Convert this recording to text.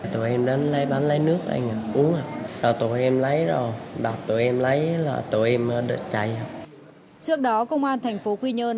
trước đó công an thành phố quy nhơn đã đặt bán nước tự động